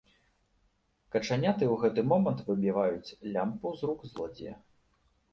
Качаняты ў гэты момант выбіваюць лямпу з рук злодзея.